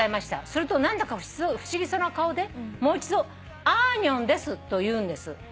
「すると何だか不思議そうな顔でもう一度『アーニョンです』と言うんです」